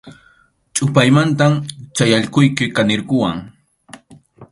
Chʼupaymantam chay allquyki kanirquwan.